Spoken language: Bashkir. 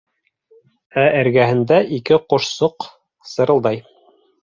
Ә эргәһендә ике ҡошсоҡ сырылдай.